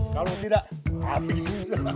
kalau tidak habis